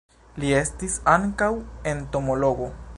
Li estis ankaŭ entomologo.